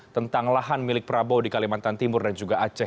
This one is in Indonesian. tentang lahan milik prabowo di kalimantan timur dan juga aceh